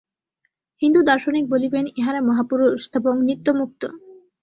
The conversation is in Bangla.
হিন্দু দার্শনিক বলিবেন ইঁহারা মহাপুরুষ এবং নিত্যমুক্ত।